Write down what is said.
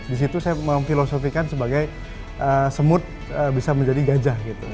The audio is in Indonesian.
di situ saya memfilosofikan sebagai semut bisa menjadi gajah gitu